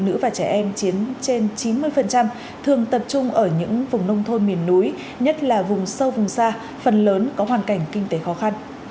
trước đó số nạn nhân bị mua bán và nghi vấn bị mua bán chủ yếu là phụ nữ và trẻ em chiến trên chín mươi thường tập trung ở những vùng nông thôn miền núi nhất là vùng sâu vùng xa phần lớn có hoàn cảnh kinh tế khó khăn